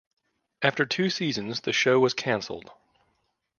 After two seasons the show was cancelled.